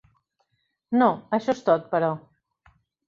No, això es tot, però!